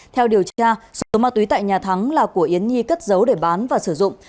theo điều tra số ma túy tại nhà thắng là của yến nhi cất giấu để bán và sử dụng